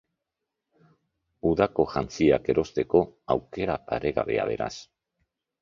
Udako jantziak erosteko aukera paregabea, beraz!